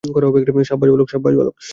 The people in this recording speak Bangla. সাব্বাস, বালক।